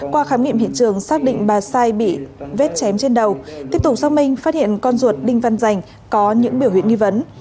qua khám nghiệm hiện trường xác định bà sai bị vết chém trên đầu tiếp tục xác minh phát hiện con ruột đinh văn rành có những biểu hiện nghi vấn